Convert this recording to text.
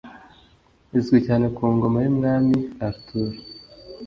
izwi cyane ku ngoma y'umwami Arthur